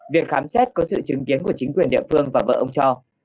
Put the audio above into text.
việc khám xét có sự chứng kiến của chính quyền địa phương và vợ ông cho